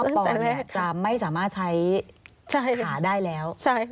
ปอจะไม่สามารถใช้ขาได้แล้ว